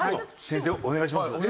先生お願いします。